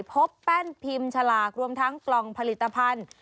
แป้นพิมพ์ฉลากรวมทั้งกล่องผลิตภัณฑ์